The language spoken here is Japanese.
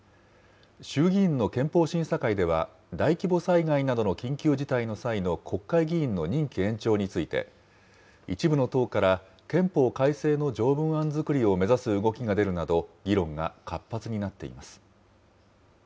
衆議院の憲法審査会では、大規模災害などの緊急事態の際の国会議員の任期延長について、一部の党から憲法改正の条文案作りを目指す動きが出るなど、議論が活発になっています。